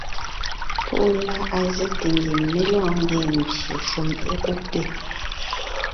Púʼu la, á zɛ́te ngie mé lɔɔn ńgee pye shúm é kúbte.